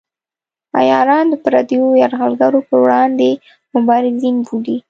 عیاران د پردیو یرغلګرو پر وړاندې مبارزین بولي.